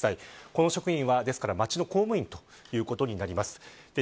この職員は、ですから町の公務員ということになります。